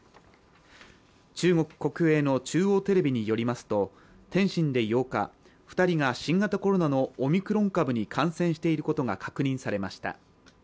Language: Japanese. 中国国営の中央テレビによりますと天津で８日、２人が新型コロナのオミクロン株に感染していることが確認されました。